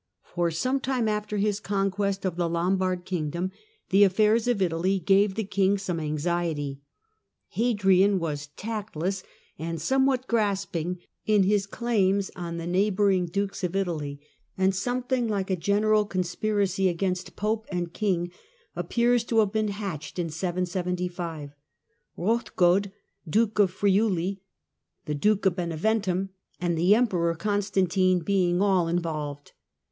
For some time after his conquest of the Lombard kingdom, the affairs of Italy gave the king some anxiety. Hadrian was tactless and some what grasping in his claims on the neighbouring dukes in Italy, and something like a general conspiracy against pope and king appears to have been hatched in 775, Hrodgaud, Duke of Friuli, the Duke of Beneventum and the Emperor Constantine being all involved.